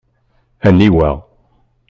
Aniwa?